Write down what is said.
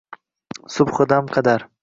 Subhidam qadar.